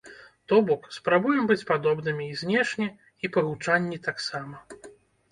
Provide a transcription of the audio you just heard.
То бок, спрабуем быць падобнымі і знешне і па гучанні таксама.